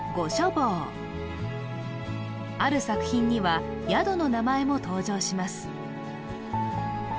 坊ある作品には宿の名前も登場します